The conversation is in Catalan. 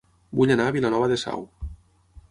Vull anar a Vilanova de Sau